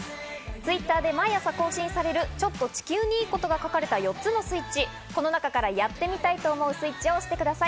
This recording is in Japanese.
Ｔｗｉｔｔｅｒで毎朝更新される、ちょっと地球にいいことが書かれた４つのスイッチ、この中からやってみたいと思うスイッチを押してください。